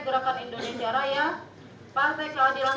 gerakan indonesia raya partai keadilan